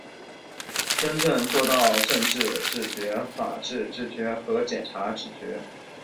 真正做到政治自觉、法治自觉和检察自觉